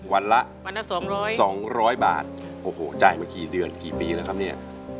วันละ๒๐๐บาทโอ้โฮจ่ายมากี่เดือนกี่ปีแล้วครับนี่